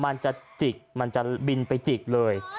มันจะจิกมันจะบินไปจิกเลย